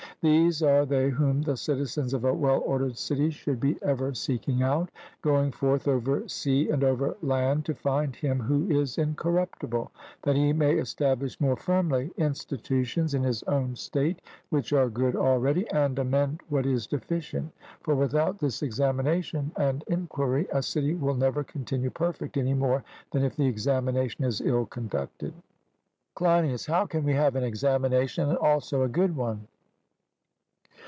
These are they whom the citizens of a well ordered city should be ever seeking out, going forth over sea and over land to find him who is incorruptible that he may establish more firmly institutions in his own state which are good already, and amend what is deficient; for without this examination and enquiry a city will never continue perfect any more than if the examination is ill conducted. CLEINIAS: How can we have an examination and also a good one?